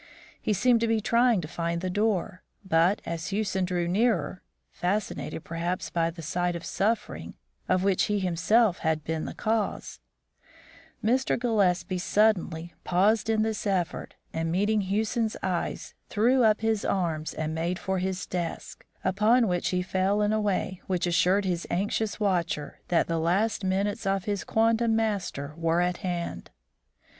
He seemed to be trying to find the door, but as Hewson drew nearer (fascinated, perhaps, by the sight of suffering of which he himself had been the cause), Mr. Gillespie suddenly paused in this effort, and, meeting Hewson's eyes, threw up his arms and made for his desk, upon which he fell in a way which assured his anxious watcher that the last minutes of his quondam master were at hand.